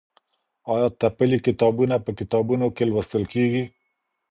آيا تپلي کتابونه په کتابتونونو کي لوستل کېږي؟